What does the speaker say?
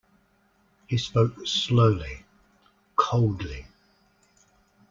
He spoke slowly, coldly.